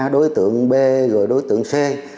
đối tượng b rồi đối tượng c